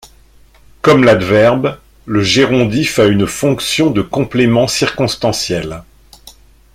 Comme l'adverbe, le gérondif a une fonction de complément circonstanciel.